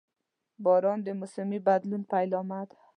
• باران د موسمي بدلون پیلامه ده.